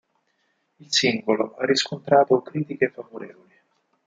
Il singolo ha riscontrato critiche favorevoli.